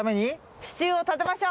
支柱を立てましょう。